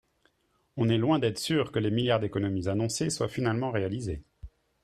on est loin d’être sûrs que les milliards d’économies annoncés soient finalement réalisés.